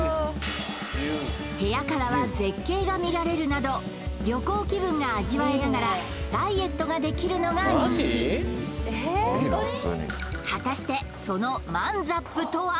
部屋からは絶景が見られるなど旅行気分が味わえながらダイエットができるのが人気果たしてそのマンザップとは？